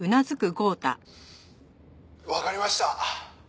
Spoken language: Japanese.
「わかりました」